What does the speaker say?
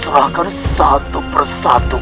serahkan satu persatu